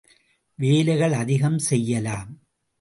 வேலைகள் அதிகம் செய்யலாம்.